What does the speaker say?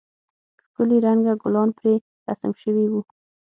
ښکلي رنگه گلان پرې رسم سوي وو.